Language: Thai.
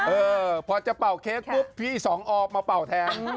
เออพอจะเป่าเค้กปุ๊บพี่สองออกมาเป่าแทน